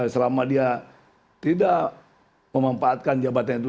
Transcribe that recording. selama dia tidak memanfaatkan jabatan itu